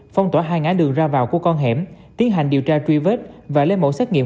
phong tỏa hai ngã đường ra vào của con hẻm tiến hành điều tra truy vết và lấy mẫu xét nghiệm